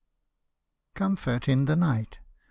COMFORT IN THE NIGHT.